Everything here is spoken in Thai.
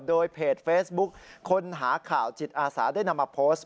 โดยเพจเฟซบุ๊คคนหาข่าวจิตอาสาได้นำมาโพสต์